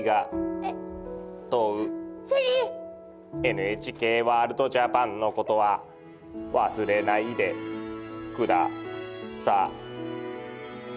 ＮＨＫワールドＪＡＰＡＮのことは忘れないでください。